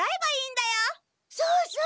そうそう。